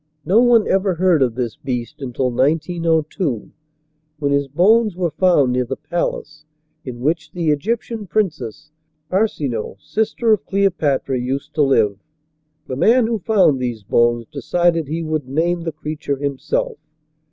No one ever heard of this beast until 1902, when his bones were found near the palace in which the Egyptian princess, Arsinoe, sister of Cleopatra, used to live. The man who found these bones decided he would name the creature himself.